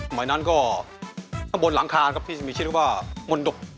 สมัยนั้นก็ข้างบนหลังคาที่มีชื่นว่ามนตก